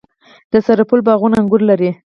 د سرپل باغونه انګور لري.